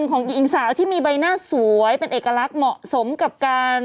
ของหญิงสาวที่มีใบหน้าสวยเป็นเอกลักษณ์เหมาะสมกับการ